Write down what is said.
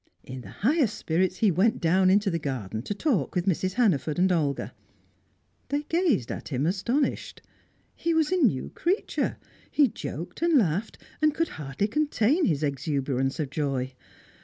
In the highest spirits he went down into the garden to talk with Mrs. Hannaford and Olga. They gazed at him, astonished; he was a new creature; he joked and laughed and could hardly contain his exuberance of joy.